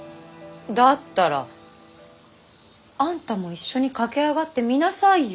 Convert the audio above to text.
だったらあんたも一緒に駆け上がってみなさいよ。